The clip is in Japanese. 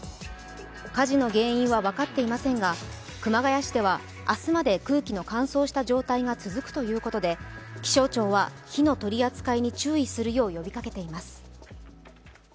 火事の原因は分かっていませんが熊谷市では明日まで空気の乾燥した状態が続くということで気象庁は火の取り扱いに注意するよう呼びかけています。